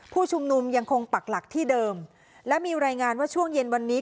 ผู้ชุมนุมยังคงปักหลักที่เดิมและมีรายงานว่าช่วงเย็นวันนี้